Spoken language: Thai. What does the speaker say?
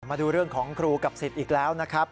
มาดูเรื่องของครูกับสิทธิ์อีกแล้วนะครับ